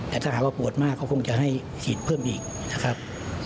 แต่ถ้าหากว่าปวดมากก็คงจะให้ฉีดเพิ่มอีกนะครับ